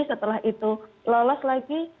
setelah itu lolos lagi